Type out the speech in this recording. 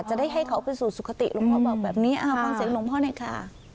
จะได้ให้เขาไปสู่สุขติหลวงพ่อบอกแบบนี้ฟังเสียงหลวงพ่อหน่อยค่ะ